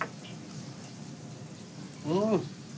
うん。